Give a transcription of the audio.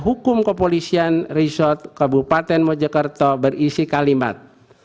hukum kepolisian resort kabupaten mojokerto berisi kalimat